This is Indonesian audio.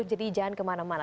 jadi jangan kemana mana